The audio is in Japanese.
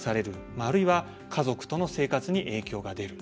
あるいは家族との生活に影響が出る。